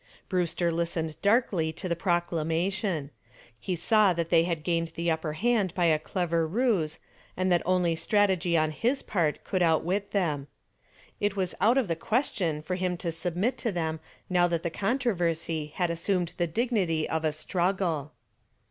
Brewster listened darkly to the proclamation. He saw that they had gained the upper hand by a clever ruse, and that only strategy on his part could outwit them. It was out of the question for him to submit to them now that the controversy had assumed the dignity of a struggle.